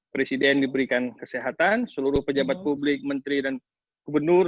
presiden diberikan kesehatan seluruh pejabat publik menteri dan gubernur